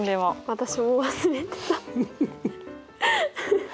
私も忘れてた。